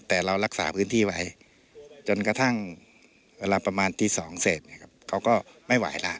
แต่เรารักษาพื้นที่ไว้จนกระทั่งเวลาประมาณตี๒เสร็จเขาก็ไม่ไหวแล้ว